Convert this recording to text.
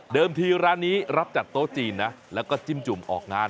ทีร้านนี้รับจัดโต๊ะจีนนะแล้วก็จิ้มจุ่มออกงาน